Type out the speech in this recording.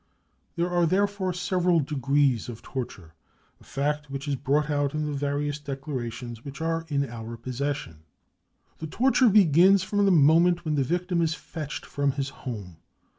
There are therefore several degrees ol torture, a fact which is brought out in the various de c l a r a ^ tions which are in our possession. ... The torture begins from the moment when the victim iS " fetched 55 from his home.